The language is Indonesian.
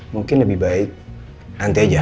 mungkin lebih baik nanti aja